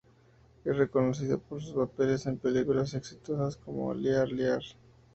Es reconocida por sus papeles en películas exitosas, como "Liar Liar".